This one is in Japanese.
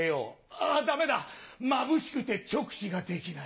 あっダメだまぶしくて直視ができない。